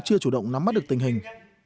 chưa chủ động nắm mắt được tình hình